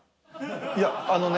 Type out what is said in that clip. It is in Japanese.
いやあのね